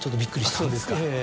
そうですか？